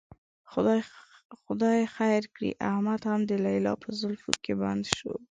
خدای خیر کړي، احمد هم د لیلا په زلفو کې بندي شو.